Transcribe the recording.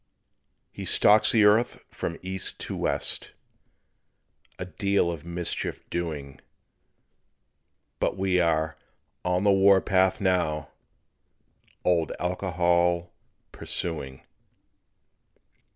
He stalks the earth from east to west, A deal of mischief doing; But we are "on the war path" now, Old Alcohol pursuing.